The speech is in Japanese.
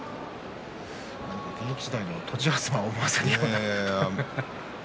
現役時代の栃東を思わせるような相撲。